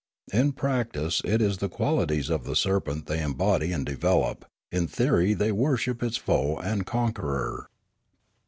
In practice it is the qualities of the serpent they embody and develop ; in theory they worship its foe and conqueror.